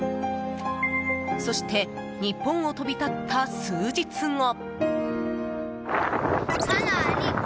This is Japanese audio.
そして日本を飛び立った数日後。